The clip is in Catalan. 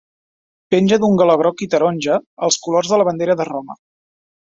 Penja d'un galó groc i taronja, els colors de la bandera de Roma.